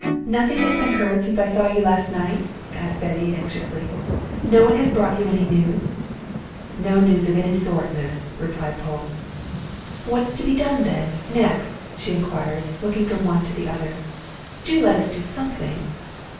"Nothing has been heard since I saw you last night?" asked Betty anxiously. "No one has brought you any news?" "No news of any sort, miss," replied Polke. "What's to be done, then, next?" she inquired, looking from one to the other. "Do let us do something!"